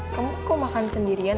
kamu kok makan sendirian